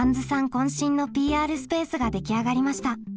こん身のＰＲスペースが出来上がりました。